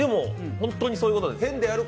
本当にそういうことです。